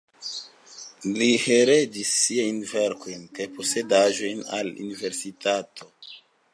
Li heredis siajn verkojn kaj posedaĵojn al la universitato.